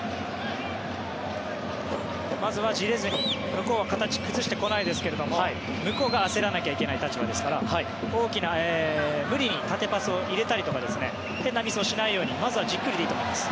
まずは、じれずに向こうは形を崩してこないですが向こうが焦らなきゃいけない立場ですから大きな無理に縦パスを入れたりとか変なミスをしないようにまずはじっくりでいいと思います。